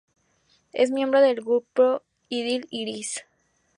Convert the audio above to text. Es miembro del grupo idol iRis.